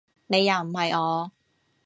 你又唔係我